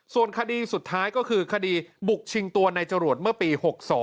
ส่วนคดีสุดท้ายก็คือคดีบุกชิงตัวในจรวดเมื่อปี๖๒